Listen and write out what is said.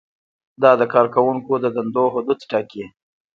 دا د کارکوونکو د دندو حدود ټاکي.